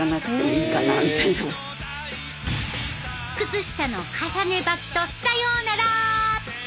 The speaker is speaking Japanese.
靴下の重ね履きとさようなら！